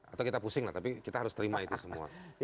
atau kita pusing lah tapi kita harus terima itu semua